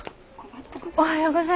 おはよう。